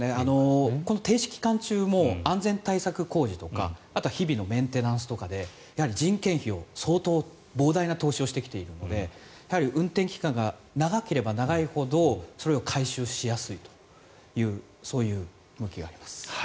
停止期間中も安全対策工事とかあとは日々のメンテナンスとかで人件費を相当膨大な投資をしてきているので運転期間が長ければ長いほどそれを回収しやすいというそういう動きがあります。